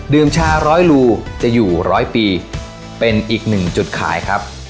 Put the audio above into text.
ชาร้อยรูจะอยู่ร้อยปีเป็นอีกหนึ่งจุดขายครับ